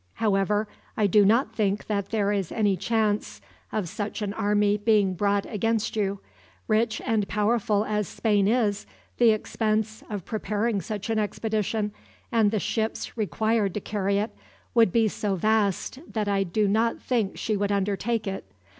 "However, I do not think that there is any chance of such an army being brought against you. Rich and powerful as Spain is, the expense of preparing such an expedition, and the ships required to carry it, would be so vast that I do not think she would undertake it.